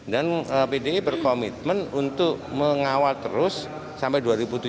dan pdi berkomitmen untuk mengawal terus sampai dua ribu tujuh belas